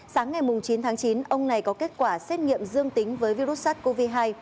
sáng ngày chín tháng chín ông này có kết quả xét nghiệm dương tính với virus sars cov hai